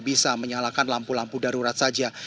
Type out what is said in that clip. bisa menyalakan lampu lampu darurat saja